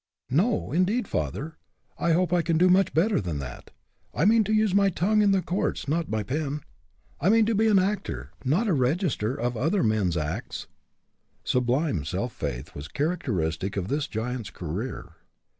"No, indeed, father; I hope I can do much better than that. I mean to use my tongue in the courts, not my pen. I mean to be an actor, not a register of other men's acts." Sublime self faith was characteristic of this giant's career.